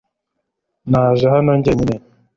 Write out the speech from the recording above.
Naje hano njyenyine